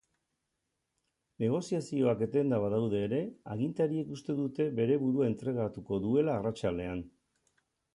Negoziazioak etenda badaude ere, agintariek uste dute bere burua entregatuko duela arratsaldean.